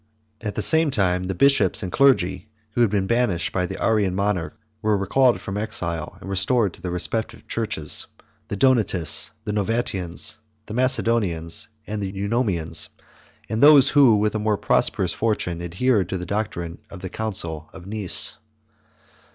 At the same time the bishops and clergy, who had been banished by the Arian monarch, were recalled from exile, and restored to their respective churches; the Donatists, the Novatians, the Macedonians, the Eunomians, and those who, with a more prosperous fortune, adhered to the doctrine of the Council of Nice.